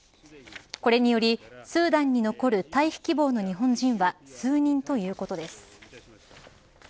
これによりスーダンに残る退避希望の日本人は数人ということです。